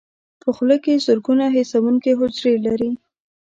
په خوله کې زرګونه حسونکي حجرې لري.